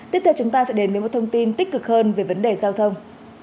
tiếp theo chúng ta sẽ đến với một thông tin tích cực hơn về vấn đề giao thông